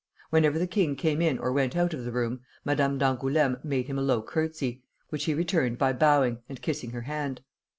Whenever the king came in or went out of the room, Madame d'Angoulême made him a low courtesy, which he returned by bowing and kissing her hand.